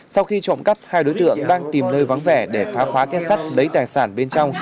sau khi trộm cắp hai đối tượng đang tìm nơi vắng vẻ để phá khóa kết sắt lấy tài sản bên trong